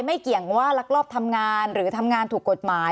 เกี่ยงว่าลักลอบทำงานหรือทำงานถูกกฎหมาย